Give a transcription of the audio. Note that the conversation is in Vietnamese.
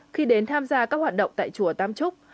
khi đến tham gia các hoạt động tại chùa tam trúc